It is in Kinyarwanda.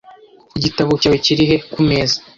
"Igitabo cyawe kiri he?" "Ku meza"